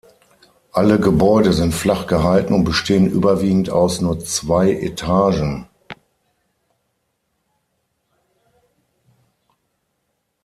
Alle Gebäude sind flach gehalten und bestehen überwiegend aus nur aus zwei Etagen.